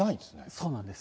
そうなんです。